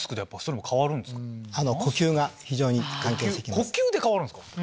呼吸で変わるんすか⁉